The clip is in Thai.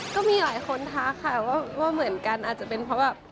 ก็มีหลายคนทักค่ะว่าเหมือนกันอาจจะเป็นเพราะแบบ